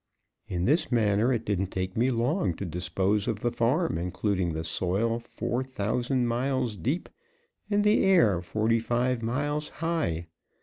In this manner it didn't take me long to dispose of the farm, including the soil four thousand miles deep, and the air forty five miles high.